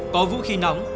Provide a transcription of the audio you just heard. có vũ khí nóng